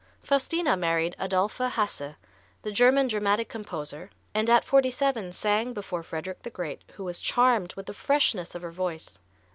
Faustina married Adolphe Hasse, the German dramatic composer, and at forty seven sang before Frederick the Great, who was charmed with the freshness of her voice.